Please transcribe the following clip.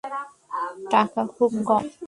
টাকা খুব কম।